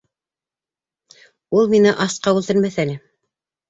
Ул мине асҡа үлтермәҫ әле.